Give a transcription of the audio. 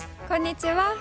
こんにちは。